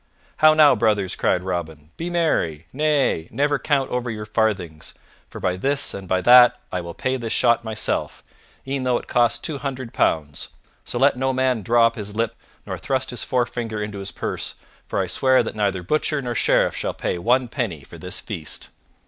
"How now, brothers," cried Robin, "be merry! nay, never count over your farthings, for by this and by that I will pay this shot myself, e'en though it cost two hundred pounds. So let no man draw up his lip, nor thrust his forefinger into his purse, for I swear that neither butcher nor Sheriff shall pay one penny for this feast."